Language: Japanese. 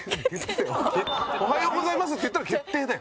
「おはようございます」って言ったら決定だよ。